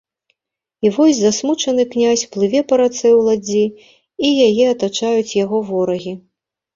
І вось засмучаны князь плыве па рацэ ў ладдзі, і яе атачаюць яго ворагі.